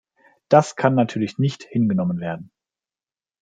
Das kann natürlich nicht hingenommen werden.